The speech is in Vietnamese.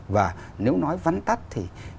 và nếu nói vắn tắt thì